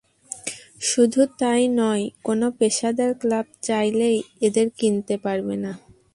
শুধু তা-ই নয়, কোনো পেশাদার ক্লাব চাইলেই এদের কিনতে পারবে না।